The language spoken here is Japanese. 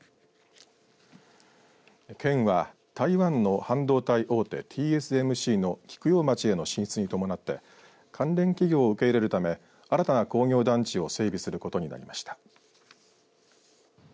県は台湾の半導体大手、ＴＳＭＣの菊陽町への進出に伴って関連企業を受け入れるため新たな工業団地を整備することになりました。